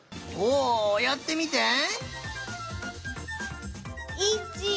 おやってみて。